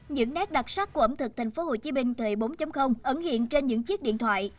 những nét đặc sắc của ẩm thực thành phố hồ chí minh thời bốn ẩn hiện trên những chiếc điện thoại